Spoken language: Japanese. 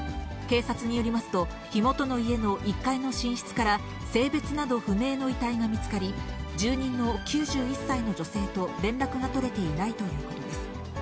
警察によりますと、火元の家の１階の寝室から性別など不明の遺体が見つかり、住人の９１歳の女性と連絡が取れていないということです。